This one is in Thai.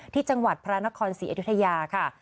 ที่จังหวัดพระนครศรีอยุธยาค่ะ